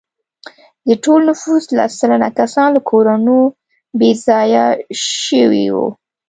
د ټول نفوس لس سلنه کسان له کورونو بې ځایه شوي وو.